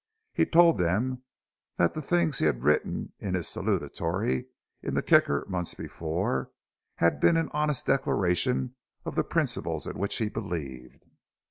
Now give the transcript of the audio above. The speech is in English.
He told them that the things he had written in his salutatory in the Kicker, months before, had been an honest declaration of the principles in which he believed.